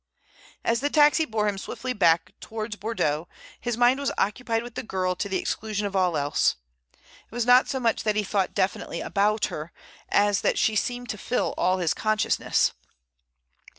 As the taxi bore him swiftly back towards Bordeaux, his mind was occupied with the girl to the exclusion of all else. It was not so much that he thought definitely about her, as that she seemed to fill all his consciousness.